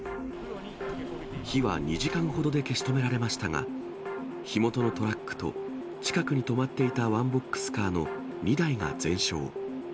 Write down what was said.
火は２時間ほどで消し止められましたが、火元のトラックと、近くに止まっていたワンボックスカーの２台が全焼。